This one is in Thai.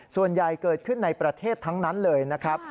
ส่วนใหญ่เกิดขึ้นในประเทศทั้งนั้นเลยนะครับ